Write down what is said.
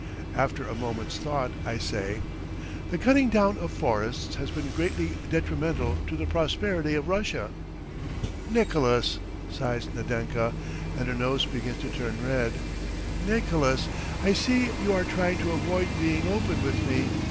After a moment's thought I say: "The cutting down of forests has been greatly detrimental to the prosperity of Russia. ..." "Nicolas," sighs Nadenka, and her nose begins to turn red, "Nicolas, I see you are trying to avoid being open with me.